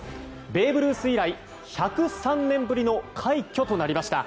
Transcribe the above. ベーブ・ルース以来１０３年ぶりの快挙となりました。